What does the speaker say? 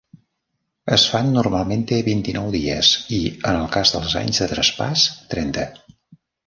Esfand normalment té vint-i-nou dies i, en el cas dels anys de traspàs, trenta.